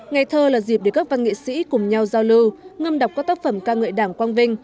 ngày thơ là dịp để các văn nghệ sĩ cùng nhau giao lưu ngâm đọc các tác phẩm ca ngợi đảng quang vinh